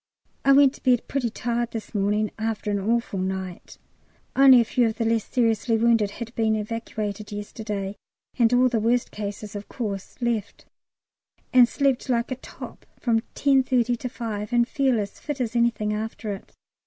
I went to bed pretty tired this morning after an awful night (only a few of the less seriously wounded had been evacuated yesterday, and all the worst ones, of course, left), and slept like a top from 10.30 to 5, and feel as fit as anything after it.